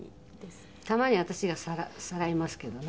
たまに私がさらいますけどね。